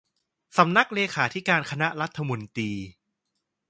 สำนักเลขาธิการคณะรัฐมนตรี